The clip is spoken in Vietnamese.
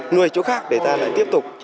nuôi chỗ khác để ta lại tiếp tục